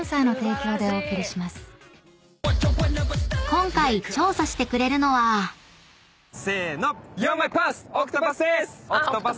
［今回調査してくれるのは］せーの。